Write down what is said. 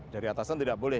dari atas itu tidak boleh